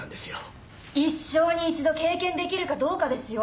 一生に一度経験できるかどうかですよ。